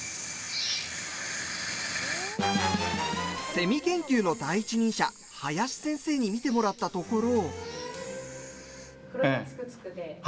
セミ研究の第一人者林先生に見てもらったところ。